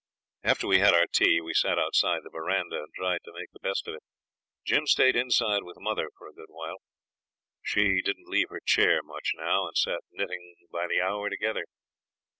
After we had our tea we sat outside the verandah, and tried to make the best of it. Jim stayed inside with mother for a good while; she didn't leave her chair much now, and sat knitting by the hour together.